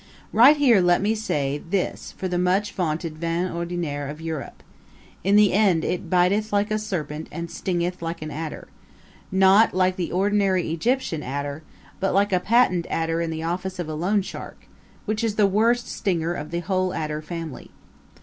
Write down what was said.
Right here let me say this for the much vaunted vin ordinaire of Europe: In the end it biteth like a serpent and stingeth like an adder not like the ordinary Egyptian adder, but like a patent adder in the office of a loan shark, which is the worst stinger of the whole adder family.